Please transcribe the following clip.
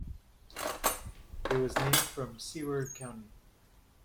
It was named from Seward County.